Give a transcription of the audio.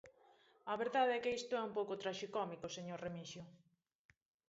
A verdade é que isto é un pouco traxicómico, señor Remixio.